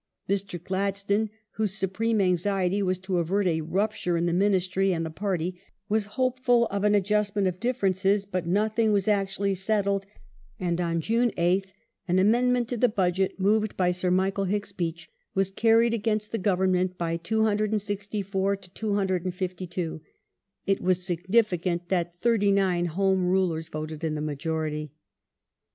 Mr. Gladstone, whose supreme anxiety was to avert a rupture in the Ministry and the Party,^ was hopeful of an ad justment of differences, but nothing was actually settled, and on June 8th an amendment to the Budget, moved by Sir Michael Hicks Beach, was carried against the Government by 264 to 252. It was significant that 39 Home Rulers voted in the majority.